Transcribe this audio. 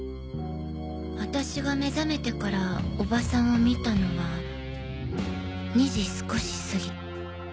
私が目覚めてからおばさんを見たのは２時少しすぎ。